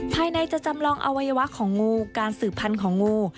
ภายในจะจำลองอวัยวะของงูการสืบพันธุ์ของงู